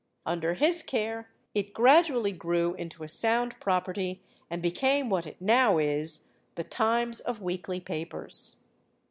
Under his care it gradually grew into a sound property, and became what it now is, the Times of weekly papers.